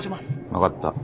分かった。